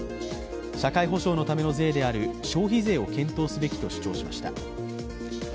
社会保障のための税である消費税を検討すべきと主張しました。